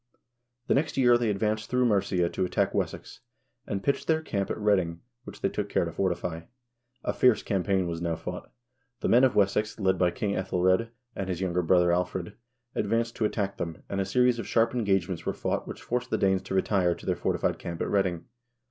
The next year they advanced through Mercia to attack Wessex, and pitched their camp at Reading, which they took care to fortify. A fierce campaign was now fought. The men of Wessex, led by King iEthel red and his younger brother, Alfred,1 advanced to attack them, and a series of sharp engagements were fought which forced the Danes to retire to their fortified camp at Reading.